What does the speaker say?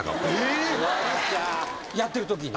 やってるときに？